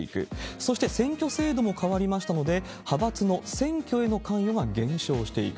そして選挙制度も変わりましたので、派閥の選挙への関与が減少していく。